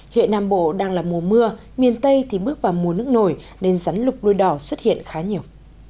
hiện nam bộ đang là mùa mưa miền tây thì bước vào mùa nước nổi nên rắn lục đuôi đỏ xuất hiện khá nhiều